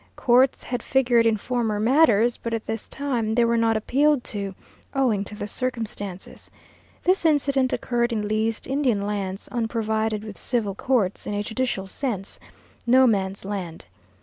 Courts had figured in former matters, but at this time they were not appealed to, owing to the circumstances. This incident occurred on leased Indian lands unprovided with civil courts, in a judicial sense, "No Man's Land."